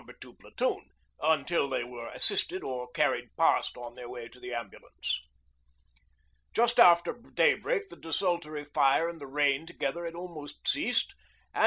2 Platoon, until they were assisted or carried past on their way to the ambulance. Just after daybreak the desultory fire and the rain together had almost ceased, and No.